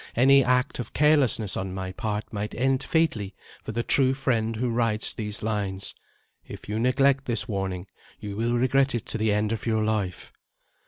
Any act of carelessness, on my part, might end fatally for the true friend who writes these lines. If you neglect this warning, you will regret it to the end of your life."